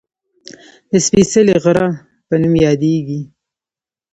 د "سپېڅلي غره" په نوم یادېږي